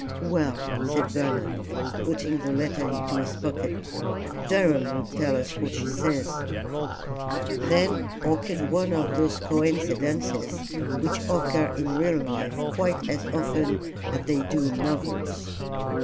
"Well," said Bernard, putting the letter into his pocket, "Durham will tell us what she says." Then occurred one of those coincidences which occur in real life quite as often as they do in novels.